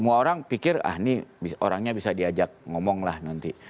semua orang pikir ah ini orangnya bisa diajak ngomong lah nanti